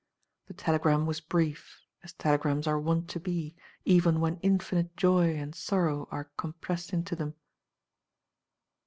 The telegram was brief, as telegrams are wont to be, even when infinite joy and sorrow are com pressed into them.